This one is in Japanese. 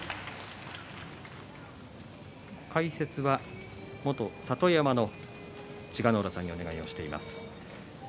解説は元里山の千賀ノ浦さんにお願いしています。